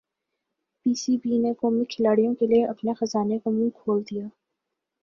پی C B نے قومی کھلاڑیوں کیلئے اپنے خزانے کا منہ کھول دیا